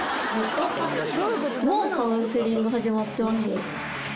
もうカウンセリング始まってます？